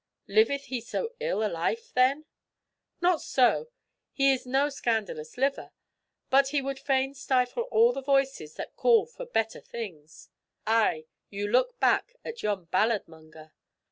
"Liveth he so ill a life then?" "Not so. He is no scandalous liver, but he would fain stifle all the voices that call for better things. Ay, you look back at yon ballad monger!